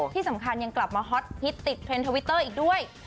ที่สำคัญยังกลับมาฮอตฮิตติดเทรนด์ทวิตเตอร์อีกด้วย